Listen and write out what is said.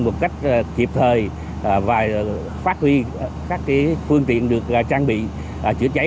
một cách kịp thời và phát huy các phương tiện được trang bị chữa cháy